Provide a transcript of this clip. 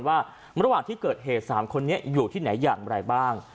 ว่าระหว่างที่เกิดเหตุ๓คนนี้อยู่ที่ไหนอย่างไรบ้าง